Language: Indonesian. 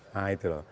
nah itu loh